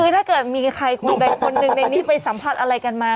คือถ้าเกิดมีใครคนใดคนหนึ่งในนี้ไปสัมผัสอะไรกันมา